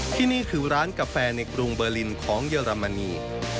ที่นี่คือร้านกาแฟในกรุงเบอร์ลินของเยอรมนี